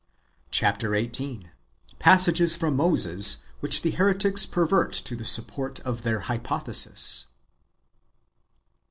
Chap. XVIII. — Passages from Moses, zoJiich the heretics pervert to the sujjport of their hypothesis.